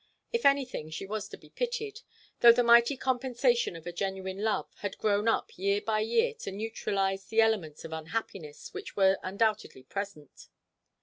If anything, she was to be pitied, though the mighty compensation of a genuine love had grown up year by year to neutralize the elements of unhappiness which were undoubtedly present.